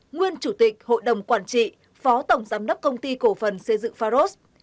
nguyên chủ tịch hội đồng quản trị phó tổng giám đốc công ty cổ phần xây dựng pharos